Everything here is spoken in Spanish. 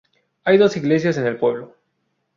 Hay dos iglesias en el pueblo.